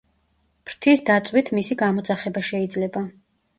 ფრთის დაწვით მისი გამოძახება შეიძლება.